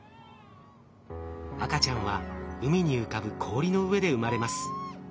赤ちゃんは海に浮かぶ氷の上で生まれます。